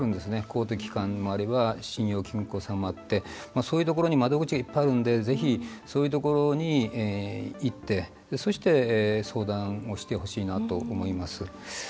公的機関もあれば信用金庫さんもあってそういうところに窓口がいっぱいあるのでぜひ、そういうところにいってそして、相談をしてほしいなと思います。